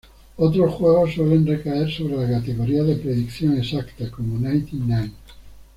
Otros juegos suelen recaer sobre la categoría de predicción exacta como Ninety-nine.